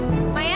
tapi deket nya